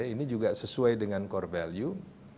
ini juga sesuai dengan core value